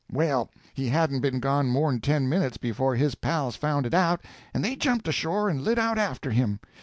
"Well, he hadn't been gone more'n ten minutes before his pals found it out, and they jumped ashore and lit out after him.